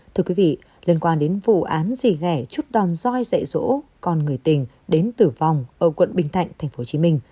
thưa quý vị liên quan đến vụ án dì ghẻ chút đòn roi dậy rỗ con người tình đến tử vong ở quận bình thạnh tp hcm